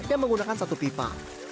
dan menggunakan satu pipa